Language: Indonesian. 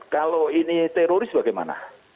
kalau ini teroris bagaimana